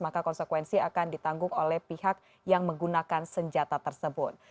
maka konsekuensi akan ditanggung oleh pihak yang menggunakan senjata tersebut